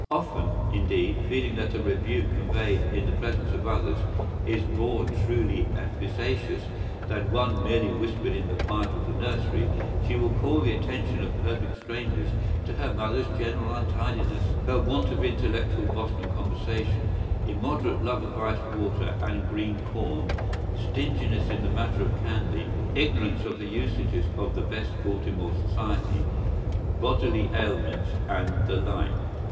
¬Ý Often, indeed, feeling that a rebuke conveyed in the presence of others is more truly efficacious than one merely whispered in the quiet of the nursery, she will call the attention of perfect strangers to her mother’s general untidiness, her want of intellectual Boston conversation, immoderate love of iced water and green corn, stinginess in the matter of candy, ignorance of the usages of the best Baltimore Society, bodily ailments, and the like.